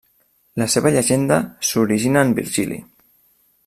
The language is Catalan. La seva llegenda s'origina en Virgili.